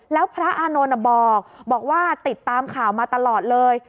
แล้วพระอานนท์บอกว่าติดตามข่าวมาตลอดเลย